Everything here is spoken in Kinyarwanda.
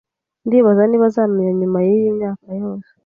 Ndibaza niba azamenya nyuma yiyi myaka yose